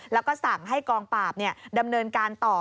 แล้วก็สั่งให้กองปราบดำเนินการต่อ